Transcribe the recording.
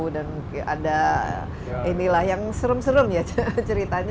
dan ada inilah yang serem serem ya ceritanya